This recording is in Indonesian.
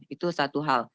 itu satu hal